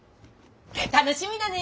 楽しみだね。